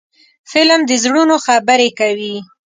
فلم د زړونو خبرې کوي